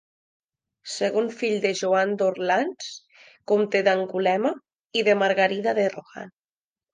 Segon fill de Joan d'Orleans, comte d'Angulema, i de Margarida de Rohan.